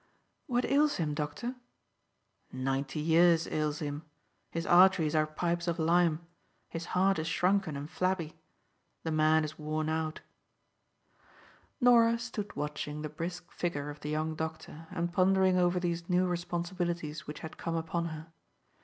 "What ails him, doctor?" "Ninety years ails him. His arteries are pipes of lime. His heart is shrunken and flabby. The man is worn out." Norah stood watching the brisk figure of the young doctor, and pondering over these new responsibilities which had come upon her.